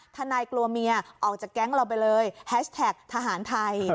ทนายกลัวเมียออกจากแก๊งเราไปเลยแฮชแท็กทหารไทย